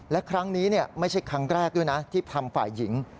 และครั้งนี้ไม่ใช่ครั้งแรกด้วยนะที่ทำฝ่ายหญิง